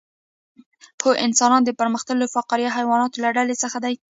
هو انسانان د پرمختللو فقاریه حیواناتو له ډلې څخه دي